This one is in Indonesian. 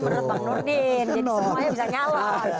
bang nurdin jadi semuanya bisa nyalah